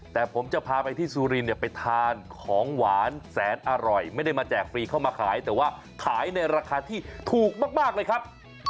แต่ผมจะพาไปที่สุรินเนี่ยไปทานของหวานแสนอร่อยไม่ได้มาแจกฟรีเข้ามาขายแต่ว่าขายในราคาที่ถูกมากเลยครับ